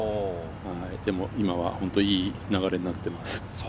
でも今は、本当にいい流れになっています。